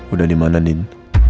udah dimana nin